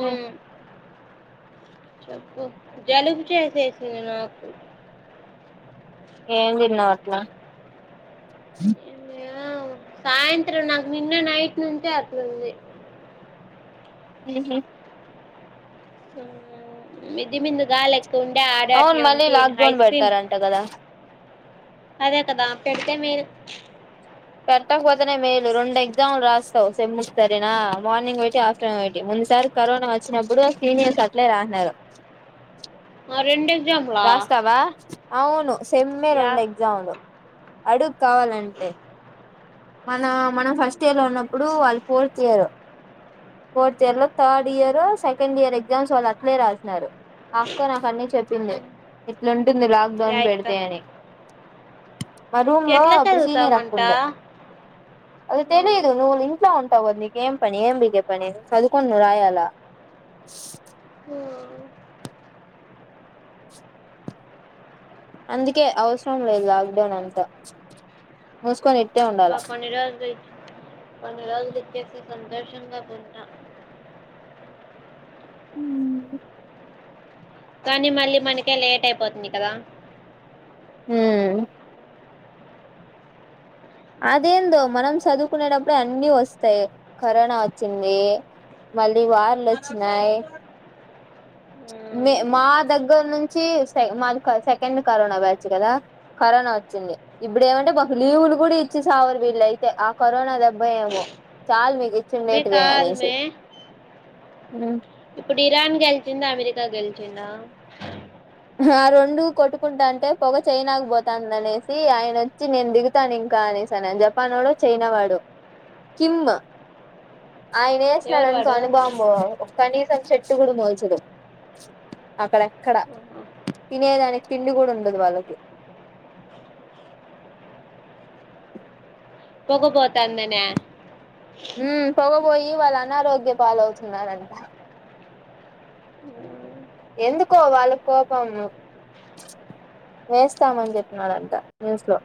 అ చెప్పు జాలపు చేసేసింది నాకు ఏం తిన్నా అట్లా ఆ సాయంత్రం నాకు నిన్న నైట్ నుంచే అక్కలుంది ఉహు విది మీందుగాాల తండే ఆడ అవును అట్లే మళ్ళీ ఉంటిే లాక్డౌన్ ఐస్ క్రీమ్ పెడతారంట కదా అదే కదా పెడితే మీరు పెట్టకపోతేనే మేలు రెండు ఎగ్జామ్లు రాస్తావు సెమ్ముకు సరేనా మార్నింగ్ పెట్టి ఆఫ్టర్నూన్ పెట్టి ముందు కొన్నిసారి కరోనా వచ్చినప్పుడు సీనియర్స్ అట్లే రాసిన్నారు ఆ రెండ రాస్తావా అవును సమ్మె యా రెండు ఎగ్జామ్లు అడుక కావాలంటే మన మనం ఫస్ట్ ఇయర్ లో ఉన్నప్పుడు వాళ్ళ ఫోర్త్ ఇయర్ ఫోర్త్ ఇయర్ లో third year second year exams వాళ్ళు అట్లే రాసినరు ఆస్కో నాకన్నీ చెప్పింది ఉమ్, ఇట్లుంటుంది లాక్డౌన్ యా ఇత్త. పెడితే అని మా రూమ్ లో ఎట్లా అప్పుడు సీనియర్ చదువుతామంట? అక్కుండే అది ఆ! తెలిదు నువవు ఇంట్లో ఉ ంటావుకదా నీక ఏం పని ఏం పీకే పని చదుకొం ను రాయాల హ్మ్. అందుకే అవసరం లేదు లాక్డౌన్ అంతా మూసుకొని ఉండాల బకుని రాజద పన్ని రోజులు ఇచ్చేస్త సంతోషంగా కొంటా ఉ కానీ మళ్ళీ మనకే లేట్ అయిపోతుంది కదా హ అదేందో మనం చదువుకునేటప్పుడుే అన్నిీ వస్తాయి కరోనా వచ్చింది మళ్ళీ వార్ళ వచ్చినాయి అ మా దగ్గర నుంచి మాది సెకండ్ కరోనా బ్యచ్చు కదా కరోనా వచ్చి ఇప్పుడు ఏమంటే మాకు లీవులు కూడా ఇ వచ్చి సావరు వీళ్ళ అయితే ఆ కరోనా దెబ్బ ఏమో చాలుా మిా మే చిన్నట్ వ కాదు మే యేసయ్ ఇప్పుడు ఇరాన్ గెలిచిందా అమెరికా గెలిచిందా ఆ రొండు కొట్టుకుంటా అంటే పదా చైనాకు పోతాందనేసి ఆయన వచ్చి నేను దిగుతాను ఇంకా జేసాన్ అని జపాన్ వోడు చైనా వోడు కిమ్ ఆయన ఎవరు ఏసినాడునుకో వాడు అనుబాంబు కనీసం చెట్టు కూడా మోల్చదు అక్కడ ఎక్కడ తినే దానికి తిండిగూడ ఉండదు వాళ్ళకి పొగపోతాందన మ్మ్ పోగబోయి వాళ్ళ అనారోగ్య పాలవుతున్నారంట ఎందుకో వాళ్ళకు కోపము వేస్తామని చెప్పన్నాడంట న్యూస్ లో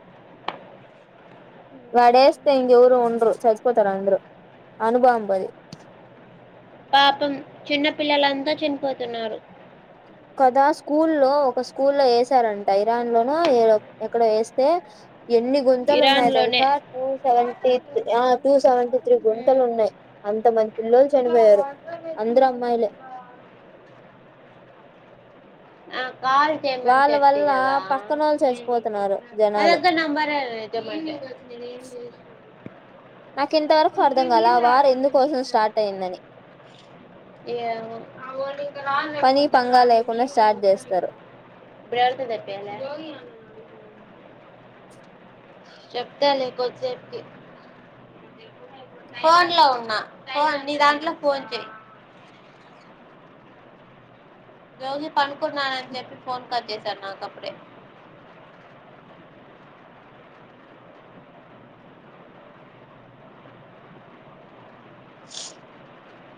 వాడేస్తే ఇంగ్ ఎవరు వుండ్రు చచ్చిపోతారు అంద్రు అణుబాంబుల్ పాపం చిన్న పిల్లలంతా చనిపోతున్నారు కదా స్కూల్లో ఒక స్కూల్లో ఏసారంట ఇరాన్లోనో ఎక్కడో వేస్తే ఎన్ని గుంతలు ఇరాన్ ఉన్నాయో లోనే తెలుసా two seventy two seventy గుంతలు ఉన్నాయి అంత మంది పిల్లలు చనిపోయారు అందరూ అమ్మాయిలే ఆ కాల్ చేయమని వాళ్ళ చెప్తి వల్ల కదా పక్కనోళ్ళు చచ్చిపోతున్నారు జనాలు అదక్క నంబర్ అయితే నాకింతవరకు అర్థం కాల ఆ వారు ఎందుకోసం స్టార్ట్ అయిందని ఏమో పని పంగా లేకుండా స్టార్ట్ చేస్తారు బేల్ తో తెప్పియాలి చెప్తాలే కొద్దిసేపుకి ఫోన్ లో ఉన్నా ఫోన్ నీ దాంట్లో ఫోన్ చెయి రోజు పనుకున్నానని చెప్పి ఫోన్ కట్ చేసారు నాకప్పుడే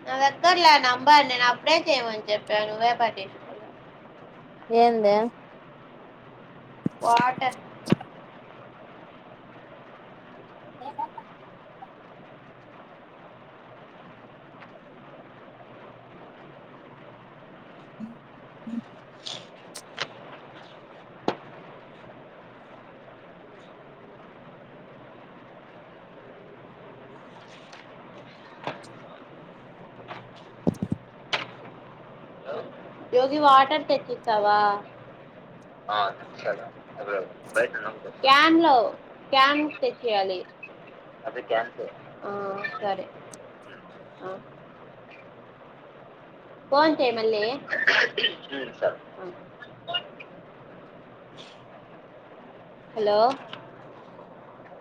ఇది అక్కర్లే నంబర్ నేన్ అప్పుడే చేయమని చెప్ప నువ్వే పట్టించుకోలా ఏంది వాటర్ ఏ మ్మ్ హ్మ్ యోజి వాటర్ తెచ్చిత్తావ క్యాన్ లో క్యామ్ తెచ్ ఇయాలి మ్మ్ సరే ఫోన్ చేయ్ మళ్ళీ హలో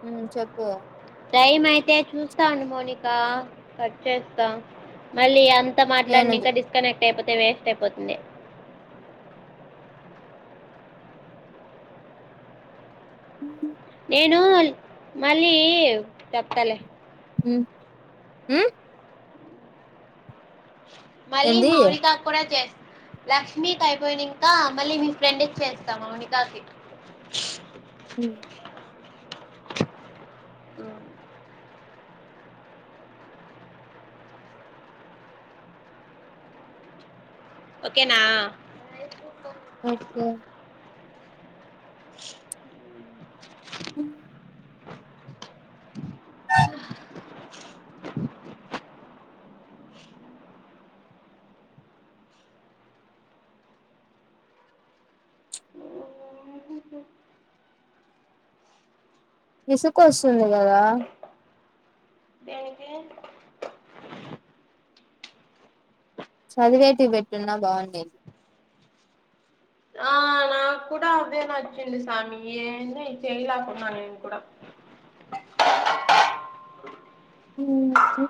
మ్మ్ చెప్పు టైమ్ అయితే చూస్తాండు మోనికా కట్ చేస్తా మళ్ళీ అంత్ అంత ఏనుగు మాట్లాడినింకా డిస్కనెక్ట్ అయిపోతే వేస్ట్ అయిపోతుంది నేను మళ్ళీ చెప్తాలే మ్మ్ హ్మ్ మళ్ళీ ఏంది మౌనికా కూడా చేస్ లక్ష్మీకి అయిపోయినింకా మళ్ళీ మీ ఫ్రెండ్కి చేస్తా మోనికాకి ఓ ఓకేనా ఓకే మ్మ్ ఇసుక వస్తుంది కదా దేనికి చదివేటీ పెట్టున్నా బావుండేది అదేనా చ్చింది సామి ఏనే చేయలాకున్నా నేను కూడా ఉ హు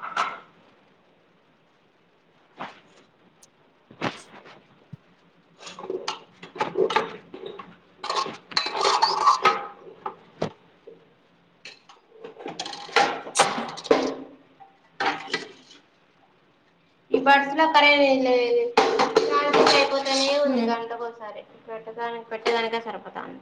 ఇప్పడులో అక్కడేదు అయిపోతనే ఉంది మ్మ్ గంటకోసారి ఇటి ప్రతిదానికి పెట్టేదనికె సరిపోతాంది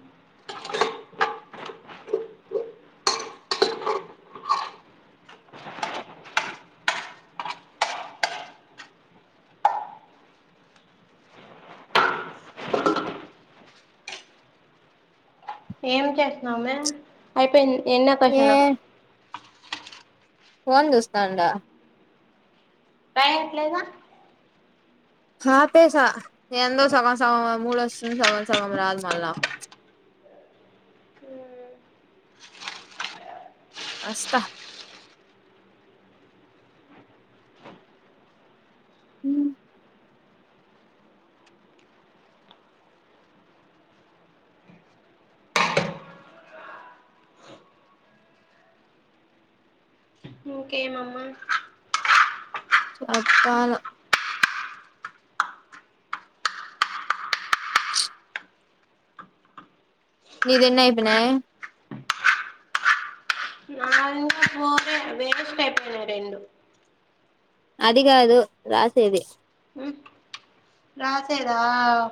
ఏం చేసినవుమ్మె అయిపోయింది ఎన్నవ క్వశ్చన్ పోన్ చూస్తాండా పైక్ లేదా ఆపే స ఎందో సగం సగం మూలొస్తుంది సగం సగం రాదు మళ్ళ నాకు అస్తా ఉ మోకే మమ్మ అప్పాల నీదెన్నే ఐపయినయే నాదా రెండు అది గాదు రాసేది ఉమ్ రాసేదా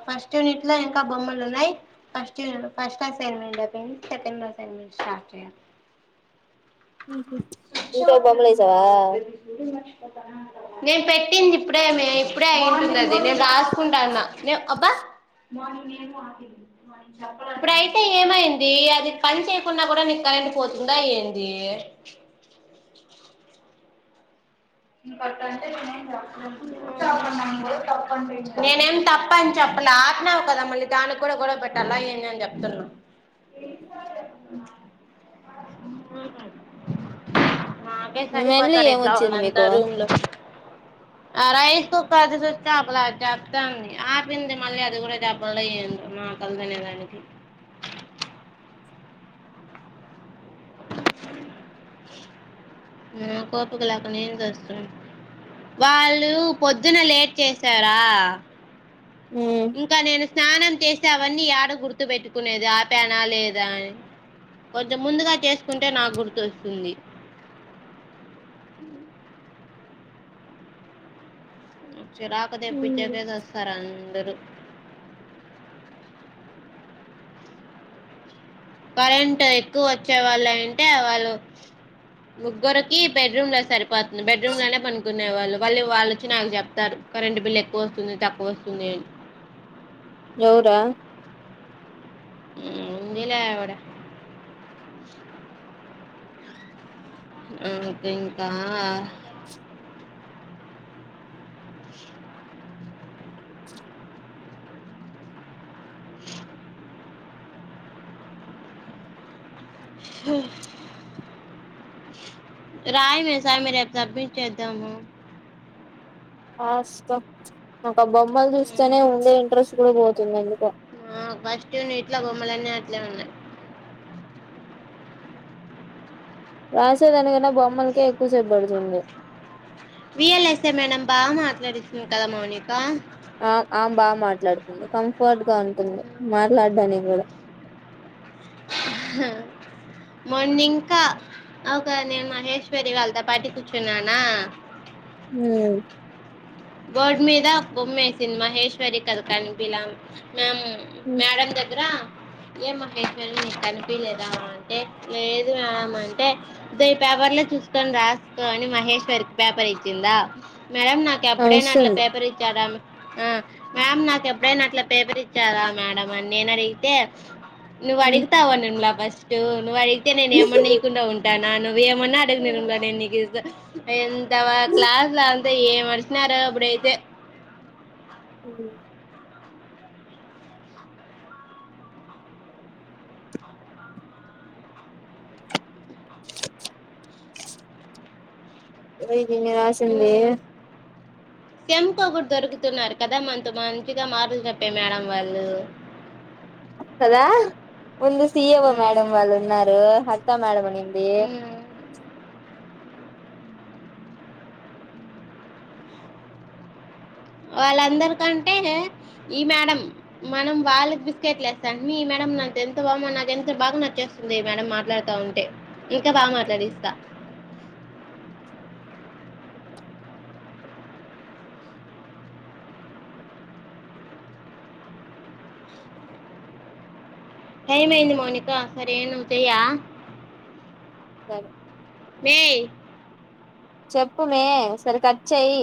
ఫస్ట్ యూనిట్ లో ఇంకా బొమ్మలు ఉన్నాయి ఫస్ట్యూనిట్ ఫస్ట్ అసైన్మెంట్ నేను సెకండ్ అసైన్మెట్ స్టార్ట్ చేయాలి హు హు ఇంకా బొమ్మలు ఏసావా నేను పెట్టింది ఇప్పుడే మీ ఇప్పుడే అయిందది నేను రాసుకుంటాన్నా నే అబ్బా మర్నింగ్ నేను గూడ ఆపింది అప్పుడయితే ఏమైంది అది పని చేయకున్న గూడా నీకు కరెంట్ పోతుందా యెంది నేనేమి తప్ప అని చెప్ అట్లా ఆపినవు కదా మళ్ళీ దానికి కూడా గొడవ పెట్టన్ల ఏంది అని చెప్తున్నా మాకే మెన్లు సరిపోతరు ఎట్లా వాళ్ళు ఏమొచ్చింది అంతా మీకు రూమ్ లో అరై అది చూస్త అప్పులా చెప్తాంది ఆపింది మళ్ళీ అది కూడా చెప్పాలేందో మా కల్దతెలీదు అది నాక్ కొపీక లేక నేన్ చస్తూన వాళ్ళు పొద్దున లేట్ చేసారా ఇంకా నేను స్నానం చేసావన్నీ ఏడ గుర్తు పెట్టుకునేది ఆపేనా లేదా అని కొంచెం ముందుగా చేసుకుంటే నాకు గుర్తోస్తుంది చిరాకు తెప్పించకేసి వస్తారు అందరుూ కరెంటు ఎక్కువ వచ్చే వాళ్ళు అంటే వాళ్ళు ముగ్గురికి బెడ్రూమ్ లో సరిపోతుంది బెడ్రూమ్ లోనే పనుకునే వాళ్ళు వాళ్ళీ వాళ్ళుొచ్చి నాకు చెప్తారు కరెంట్ బిల్ ఎక్కువ వస్తుంది తక్కువ వస్తుంది అని ఎవుర ఉ ఉందిలే ఆవిడ ఆ కింకా ఇంకా [inaudible] [inaudible] స రాయి మీస్సాం రేపు సబ్మిట్ చేద్దాము ఆస్తం ఒక బొమ్మలు చూస్తేనే ఉండే ఇంట్రెస్ట్ కూడా పోతుంది ఎందుకో ఆ ఫస్ట్ నీట్ల బొమ్మలన్నీ అట్లే ఉన్నాయి రాసే దానికన్నా బొమ్మలకే ఎక్కువ సేప్ ప డుతుంది విఎల్ఎస్ మేడం బా మాట్లాడిచ్చ కద మౌనికా ఆ ఆమ్ బాగా మాట్లాడుతుంది కంఫర్ట్ గా ఉంటుంది ట్లాడడానికి గుడా మొన్నింకా అవుక నేను మహేశ్వరి వాళ్ళతో పాటి కూర్చున్నానా ఉ బోర్డ్ మీద బొమ్మేసింది మహేశ్వరి కది కనిపిలా మ్యామ్ మ్యాడం దగ్గర ఏం మహేశ్వరి నీక్ కనిపిలేదా అంటే లేదు మ్యాం అంటే ఇద్ద ఈ పా పేపర్ చూసుకొని రాసుకో అని మహేశ్వరికి పేపర్ ఇచ్చిందా మేడం న ఆమె ఎప్పుడైనా ఆట్ల ఇస్తుంది పపరిచ్చార మే ఆ మ్యామ్ నాకు ఎప్పుడైనా అట్లా పేపర్ ఇచ్చారా మేడం అని నేను అడిగితే నువ్వు ఉమ్ అడిగుతావ నిర్మలా ఫస్టూ నువ్ అడిగె గితే నేను ఏమన్నా ఈకుండా ఉంటానా నువ్వు ఏమన్నా అడుగు నిర్మల నేన్ నీకి ఇస్తా ఎంత మన క్లాస్ లో అంత ఏ మర్షినారో అబ్బుడైతే ఉ ఇదేంది ఇన్ని గాసింది సెమ్ కొగురు దొరుకుతున్నారు కదా మనతో మంచిగా మాట్లు చెప్పే మేడం వాళ్ళు [inaudible] కదా ముందు సిఏఓ మేడం ఉమ్, వాళ్ళు ఉన్నారు హరితా మేడం వునింది ఉమ్. వాళ్ళందరికంటే ఈ మేడం మనం వాళ్ళకి బిస్కెట్లేస్తాంటిమి ఈ మె డం నాకి ఎంత బాగొ నాకి ఎంత బాగా నచ్చేస్తుంది మేడం మాట్లాడుతా ఉంటే ఇంకా బాగా మాట్లాడిస్తా [inaudible] టై అయింది మౌనికా సరేనువ్ చెయా సరే మే చెప్పుమే సరే కట్ చెయ్